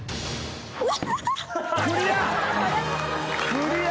クリア。